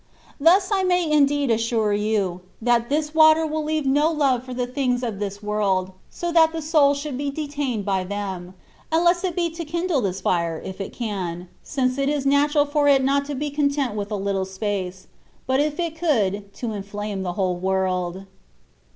Thus I may indeed assure you, that this THE WAY OF PERFECTION. 93 water will leave no love for the things of this worlds so that the soul should be detained bj them^ unless it be to kindle this fire^ if it can^ since it is natural for it not to be content with a little space^ but if it could^ to inflame the whole world.